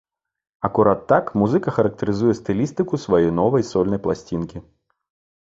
Акурат так музыка характарызуе стылістыку сваёй новай сольнай пласцінкі.